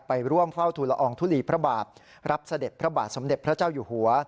ไปร่วมเฝ้าทุลอองทุลีพระบาทรับเสด็จพระบาทสมเด็จพระเจ้าอยู่หัว